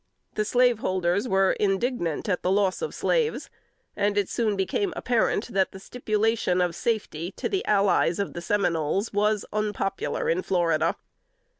The slaveholders were indignant at the loss of slaves, and it soon became apparent that the stipulation of safety to the "allies" of the Seminoles was unpopular in Florida.